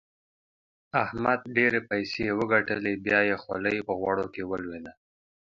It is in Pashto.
احمد ډېرې پيسې وګټلې؛ بيا يې خولۍ په غوړو کې ولوېده.